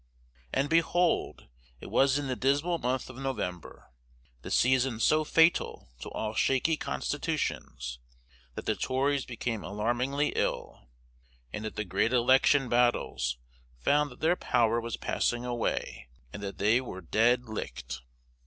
And, behold, it was in the dismal month of November, the season so fatal to all shakey constitutions that the Tories became alarmingly ill, and at the Great Election Battles found that their power was passing away, and that they were dead licked.